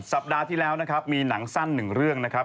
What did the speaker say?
สัปดาห์ที่แล้วนะครับมีหนังสั้นหนึ่งเรื่องนะครับ